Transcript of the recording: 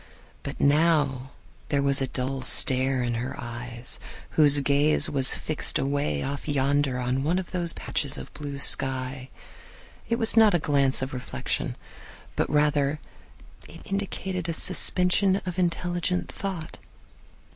But now there was a dull stare in her eyes, whose gaze was fixed away off yonder on one of those patches of blue sky. It was not a glance of reflection, but rather indicated a suspension of intelligent thought.